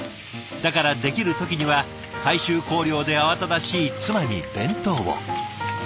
だからできる時には最終校了で慌ただしい妻に弁当を。